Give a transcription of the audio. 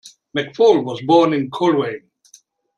McFaul was born in Coleraine.